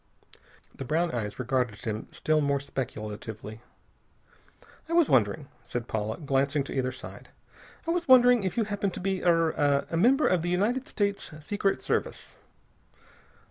The brown eyes regarded him still more speculatively. "I was wondering " said Paula, glancing to either side, "I was wondering if you happen to be er a member of the United States Secret Service."